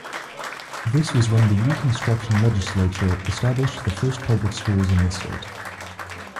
This was when the Reconstruction legislature established the first public schools in the state.